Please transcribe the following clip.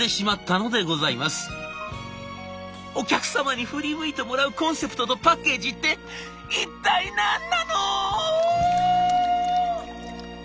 「お客様に振り向いてもらうコンセプトとパッケージって一体何なの？」。